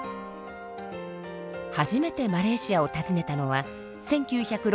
初めてマレーシアを訪ねたのは１９６９年。